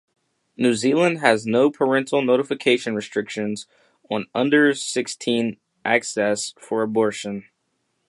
New Zealand has no parental notification restrictions on under-sixteen access for abortion.